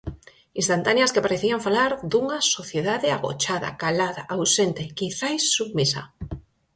Instantáneas que parecían falar dunha sociedade agochada, calada, ausente, quizais submisa.